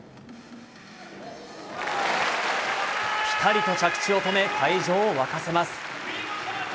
ピタリと着地を止め会場を沸かせます。